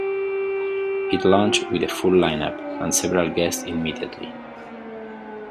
It launched with a full lineup, and several guests immediately.